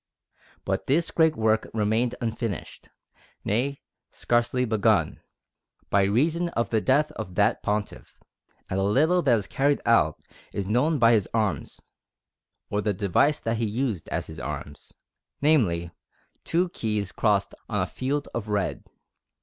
But this great work remained unfinished nay, scarcely begun by reason of the death of that Pontiff; and the little that was carried out is known by his arms, or the device that he used as his arms, namely, two keys crossed on a field of red.